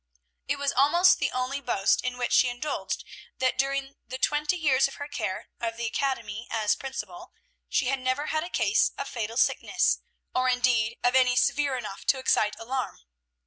It was almost the only boast in which she indulged, that, during the twenty years of her care of the academy as principal, she had never had a case of fatal sickness, or, indeed, of any severe enough to excite alarm.